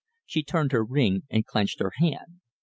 She turned her ring and clenched her hand.